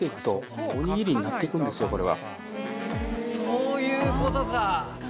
そういうことか。